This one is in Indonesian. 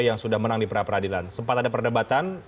yang sudah menang di peradilan sempat ada perdebatan